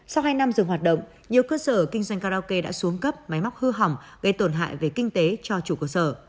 sau hai năm dừng hoạt động nhiều cơ sở kinh doanh karaoke đã xuống cấp máy móc hư hỏng gây tổn hại về kinh tế cho chủ cơ sở